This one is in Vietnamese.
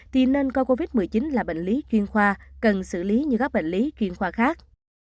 thì nên coi covid một mươi chín là bệnh lý chuyên khoa cần xử lý như các bệnh lý chuyên khoa khác